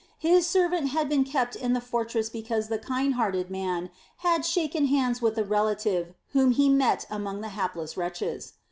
His servant had been kept in the fortress because the kind hearted man had shaken hands with a relative whom he met among the hapless wretches.